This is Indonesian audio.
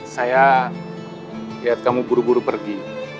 saya lihat kamu buru buru pergi